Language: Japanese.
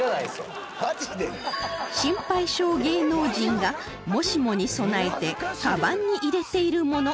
心配性芸能人がもしもに備えてカバンに入れているもの